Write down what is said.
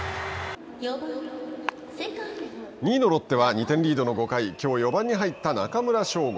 ２位のロッテは２点リードの５回きょう４番に入った中村奨吾。